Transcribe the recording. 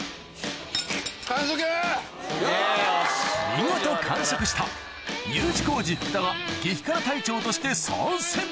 見事完食したＵ字工事・福田が激辛隊長として参戦